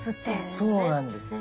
そうなんです。